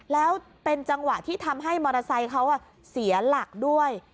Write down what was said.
แล้วเป็นจังหวะที่ทำให้มอเตอร์ไซค์เขาเสียหลักด้วย